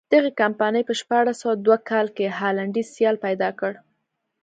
دغې کمپنۍ په شپاړس سوه دوه کال کې هالنډی سیال پیدا کړ.